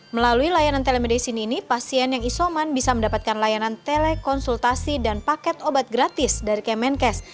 melalui layanan telemedicine ini pasien yang isoman bisa mendapatkan layanan telekonsultasi dan paket obat gratis dari kemenkes